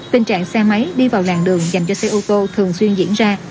tình trạng xe máy đi vào làn đường dành cho xe ô tô thường xuyên diễn ra